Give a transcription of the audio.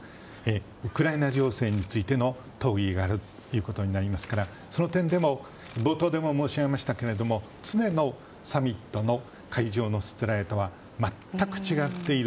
ウクライナ情勢についての討議があるということですからその点でも冒頭でも申し上げましたけども常のサミットの会場のしつらえとは全く違っている。